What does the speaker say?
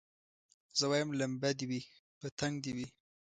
زه وايم لمبه دي وي پتنګ دي وي